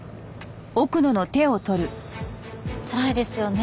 つらいですよね